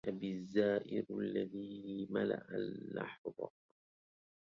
بأبي الزائر الذي ملأ اللحظ